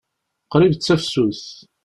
Qrib d tafsut.